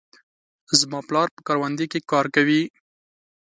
زما پلار په کروندې کې کار کوي.